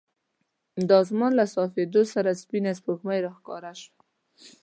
د اسمان له صافېدو سره سپینه سپوږمۍ راښکاره شوه.